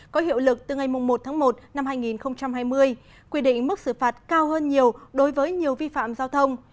có hiệu lực từ ngày một tháng một năm hai nghìn hai mươi quy định mức xử phạt cao hơn nhiều đối với nhiều vi phạm giao thông